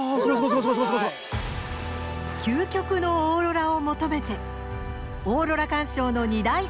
究極のオーロラを求めてオーロラ観賞の２大聖地へ。